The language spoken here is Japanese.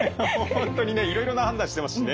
本当にねいろいろな判断してますしね。